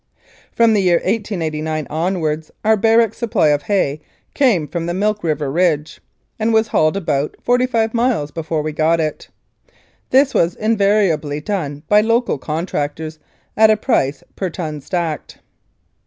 From the year 1889 onwards our barrack supply of hay came from the Milk River Ridge, and was hauled about forty five miles before we got it. This was invari ably done by local contractors at a price per ton stacked.